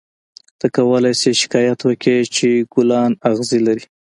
ته کولای شې شکایت وکړې چې ګلان اغزي لري.